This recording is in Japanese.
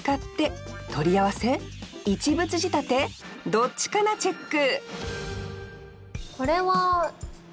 どっちかなチェック！